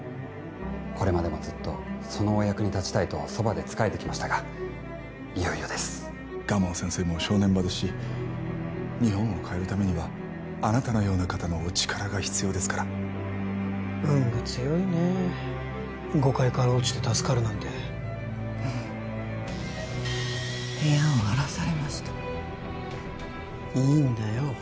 これまでもずっとそのお役に立ちたいとそばで仕えてきましたがいよいよです蒲生先生も正念場ですし日本を変えるためにはあなたのような方のお力が必要ですから運が強いね５階から落ちて助かるなんて部屋を荒らされましたいいんだよ